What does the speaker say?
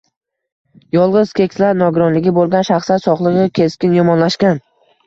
Yolgʻiz keksalar, nogironligi boʻlgan shaxslar sogʻligi keskin yomonlashgan